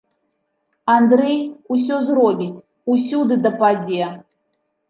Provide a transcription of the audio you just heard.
Андрэй усё зробіць, усюды дападзе.